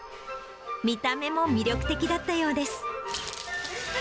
見た目も魅力的だったようです。